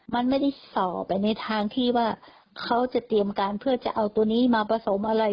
มันไม่ได้ส่อไปในทางที่ว่าเขาจะเตรียมการเพื่อจะเอาตัวนี้มาผสมอะไร